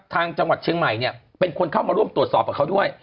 จังหวัดเชียงใหม่เนี่ยเป็นคนเข้ามาร่วมตรวจสอบกับเขาด้วย